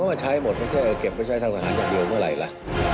ก็ใช้หมดเก็บไปใช้ทางทหารอย่างเดียวเมื่อไหร่ล่ะ